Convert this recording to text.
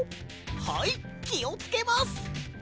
はいきをつけます！